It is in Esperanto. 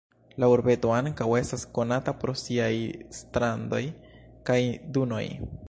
La urbeto ankaŭ estas konata pro siaj strandoj kaj dunoj.